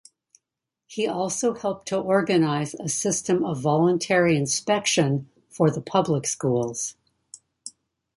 He also helped to organise a system of voluntary inspection for the public schools.